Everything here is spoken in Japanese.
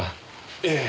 ええ。